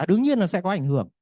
à đương nhiên là sẽ có ảnh hưởng